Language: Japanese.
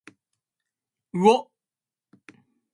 うおっ。